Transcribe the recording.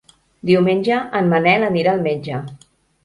Diumenge en Manel anirà al metge.